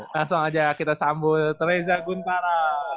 langsung aja kita sambut reza guntara